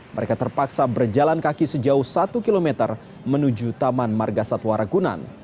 mereka terpaksa berjalan kaki sejauh satu km menuju taman marga satwa ragunan